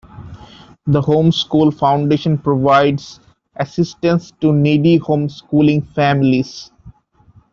The Home School Foundation provides "Assistance to needy home schooling families".